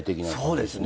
そうですね。